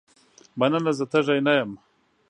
مننه زه تږې نه یم.